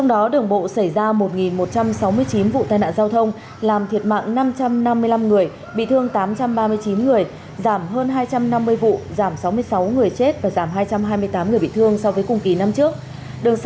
đường sát xảy ra sáu vụ tai nạn giao thông làm ba người thiệt mạng hai người bị thương